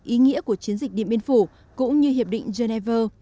ý nghĩa của chiến dịch điện biên phủ cũng như hiệp định geneva